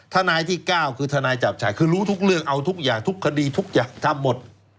ทนายที่๙คือทนายจับชัยคือรู้ทุกเรื่องเอาทุกอย่างทุกคดีทุกอย่างทำหมด